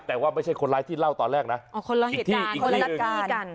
แต่ว่าไม่ใช่คนร้ายที่เล่าตอนแรกนะอ๋อคนร้ายเหตุการณ์คนร้ายรัฐการณ์